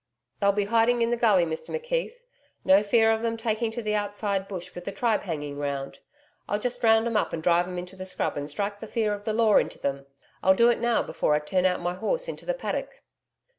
'They'll be hiding in the gully, Mr McKeith. No fear of them taking to the outside bush with the tribe hanging round. I'll just round 'em up and drive 'em into the scrub and strike the fear of the Law into them. I'll do it now before I turn out my horse into the paddock.'